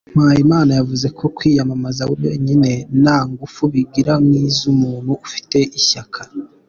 Mpayimana yavuze ko kwiyamamaza wenyine nta ngufu bigira nk’iz’umuntu ufite ishyaka.